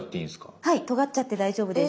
はいとがっちゃって大丈夫です。